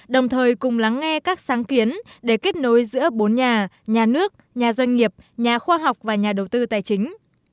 đồng thời cùng lắng nghe các sáng kiến để kết nối giữa bốn nhà nhà nước nhà doanh nghiệp nhà khoa học và nhà đầu tư tài chính